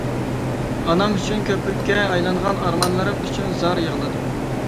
ئانام ئۈچۈن، كۆپۈككە ئايلانغان ئارمانلىرىم ئۈچۈن زار يىغلىدىم.